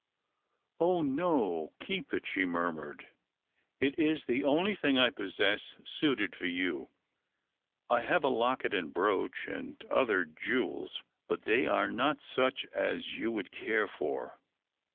"Oh, no, keep it!" she murmured. "It is the only thing I possess suited for you. I have a locket and brooch and other jewels, but they are not such as you would care for."